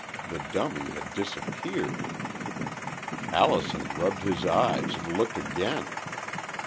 The dummy had disappeared! Allison rubbed his eyes and looked again.